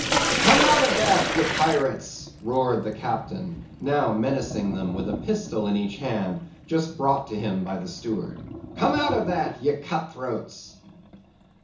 "'Come out of that, ye pirates!' roared the captain, now menacing them with a pistol in each hand, just brought to him by the steward. 'Come out of that, ye cut throats!